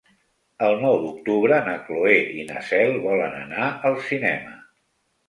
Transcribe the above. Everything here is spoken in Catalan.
El nou d'octubre na Cloè i na Cel volen anar al cinema.